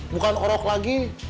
bukan orok lagi